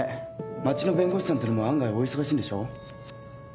町の弁護士さんってのも案外お忙しいんでしょう？